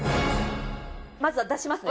まずは出しますね。